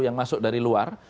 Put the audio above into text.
yang masuk dari luar